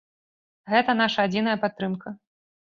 Гэта наша адзіная падтрымка.